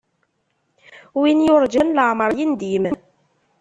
Win yurǧan leεmeṛ yendim.